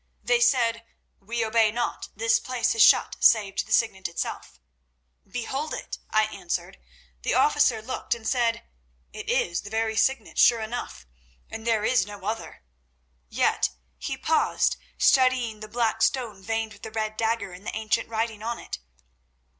"They said: 'We obey not. This place is shut save to the Signet itself.' "'Behold it!' I answered. The officer looked and said: 'It is the very Signet, sure enough, and there is no other.' "Yet he paused, studying the black stone veined with the red dagger and the ancient writing on it.